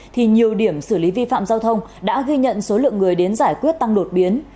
thì nhiều điểm xử lý vi phạm giao thông đã ghi nhận số lượng người đến giải quyết tăng đột biến